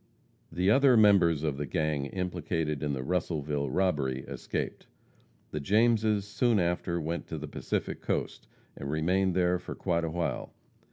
The other members of the gang implicated in the Russellville robbery escaped. The Jameses soon after went to the Pacific Coast, and remained there for quite a while.